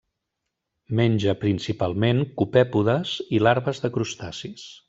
Menja principalment copèpodes i larves de crustacis.